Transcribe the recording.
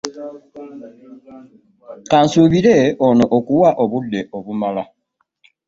Kansuubire ono akuwa obudde obumala.